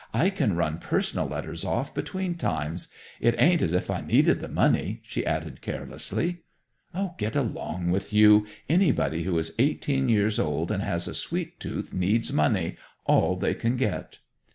"I can run personal letters off between times. It ain't as if I needed the money," she added carelessly. "Get along with you! Anybody who is eighteen years old and has a sweet tooth needs money, all they can get."